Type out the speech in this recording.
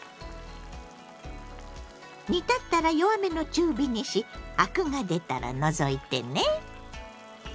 煮立ったら弱めの中火にしアクが出たら除いてね。